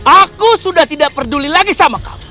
aku sudah tidak peduli lagi sama kamu